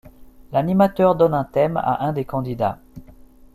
L'animateur donne un thème à un des candidats.